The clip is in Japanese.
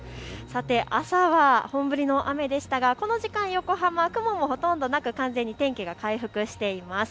朝は本降りの雨でしたがこの時間、横浜、雲がほとんどなく完全に天気が回復しています。